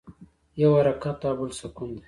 یو حرکت او بل سکون دی.